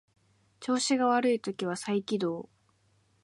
調子が悪い時は再起動